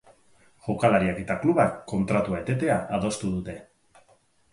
Jokalariak eta klubak kontratua etetea adostu dute.